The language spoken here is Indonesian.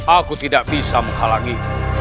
aku tidak bisa menghalangi